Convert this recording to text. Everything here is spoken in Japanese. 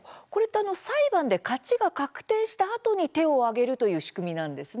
裁判で勝ちが確定したあとに手を上げるという仕組みなんですね。